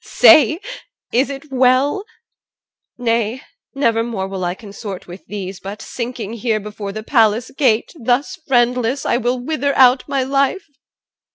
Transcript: Say, is it well? Nay, nevermore will I consort with these, But sinking here before the palace gate, Thus, friendless, I will wither out my life.